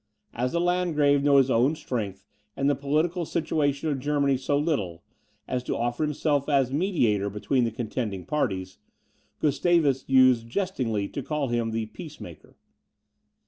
As the Landgrave knew his own strength and the political situation of Germany so little, as to offer himself as mediator between the contending parties, Gustavus used jestingly to call him the peacemaker.